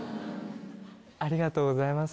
ありがとうございます。